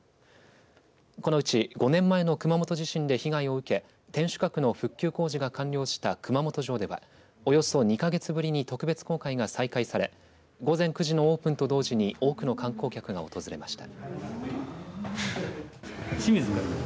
このうち５年前の熊本地震で被害を受け天守閣の復旧工事が完了した熊本城では、およそ２か月ぶりに特別公開が再開され午前９時のオープンと同時に多くの観光客が訪れました。